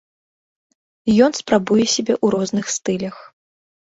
Ён спрабуе сябе ў розных стылях.